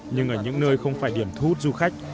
nhưng ở những nơi không phải điểm thu hút du khách